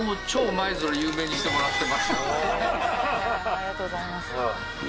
ありがとうございます。